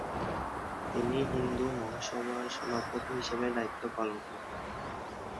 তিনি হিন্দু মহাসভার সভাপতি হিসেবে দায়িত্ব পালন করেন।